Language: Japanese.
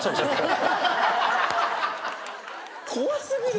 怖過ぎる。